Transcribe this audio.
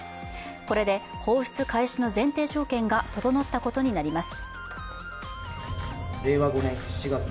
これで放出開始の前提条件が整ったことになります。